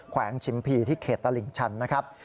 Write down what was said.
วงชิมพีที่เขตตลิ่งชันนะครับ